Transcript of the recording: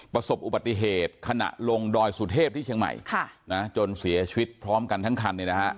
ประสบอุบัติเหตุขณะลงดอยสุเทพที่เชียงใหม่จนเสียชีวิตพร้อมกันทั้งคันเนี่ยนะฮะ